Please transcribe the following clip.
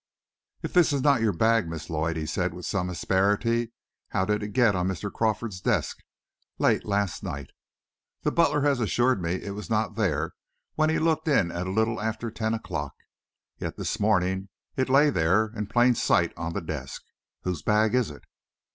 "If this is not your bag, Miss Lloyd," he said, with some asperity, "how did it get on Mr. Crawford's desk late last night? The butler has assured me it was not there when he looked in at a little after ten o'clock. Yet this morning it lay there, in plain sight on the desk. Whose bag is it?"